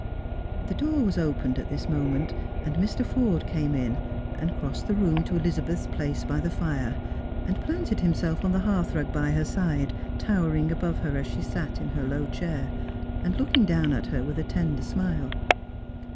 The door was opened at this moment, and Mr. Forde came in, and crossed the room to Elizabeth's place by the fire, and planted himself on the hearthrug by her side, towering above her as she sat in her low chair, and looking down at her with a tender smile.